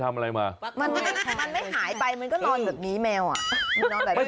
อะไรเนี่ย